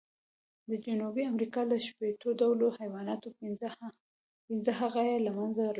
د جنوبي امریکا له شپېتو ډولو حیواناتو، پینځه هغه یې له منځه لاړل.